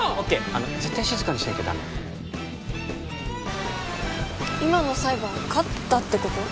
あの絶対静かにしなきゃダメ今の裁判勝ったってこと？